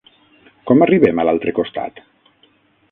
Com arribem a l'altre costat?